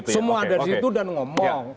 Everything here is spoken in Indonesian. semua ada di situ dan ngomong